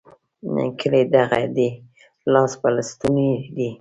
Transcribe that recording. کلی دغه دی؛ لاس په لستوڼي دی.